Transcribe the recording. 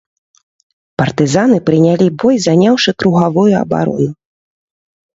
Партызаны прынялі бой, заняўшы кругавую абарону.